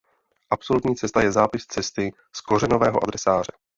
Absolutní cesta je zápis cesty z kořenového adresáře.